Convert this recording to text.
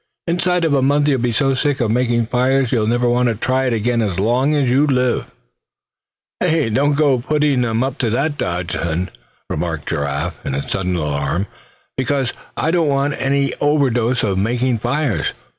Inside of a month you'd be so sick of making fires you'd never want to try it again as long as you lived." "Hey! don't you go to putting them up to that dodge, then," remarked Giraffe, in sudden alarm, "because I don't want to get an overdose of making fires.